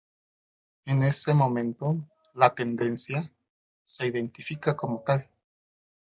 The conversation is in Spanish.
En ese momento "la Tendencia" se identifica como tal.